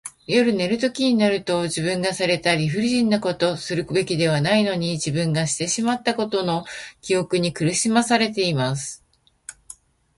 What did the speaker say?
夜寝るときになると、自分がされた理不尽なこと、するべきではないのに自分がしてしまったことの記憶に苦しまされます。